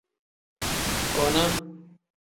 Kona.